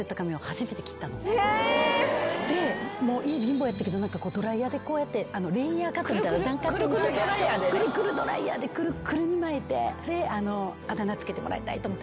で家貧乏やったけどドライヤーでこうやってレイヤーカットみたいな段カットにしてくるくるドライヤーでくるっくるに巻いてで。と思って学校行って。